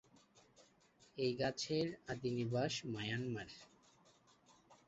এই গাছের আদিনিবাস মায়ানমার।